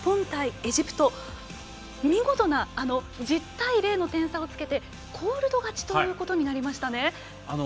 エジプト見事に１０対０の点差をつけてコールド勝ちとなりました。